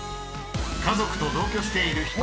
［家族と同居している人